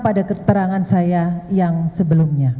pada keterangan saya yang sebelumnya